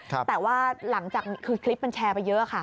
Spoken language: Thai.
แต่ว่าหลังจากคือคลิปมันแชร์ไปเยอะค่ะ